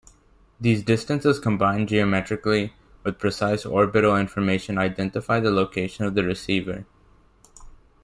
These distances combined geometrically with precise orbital information identify the location of the receiver.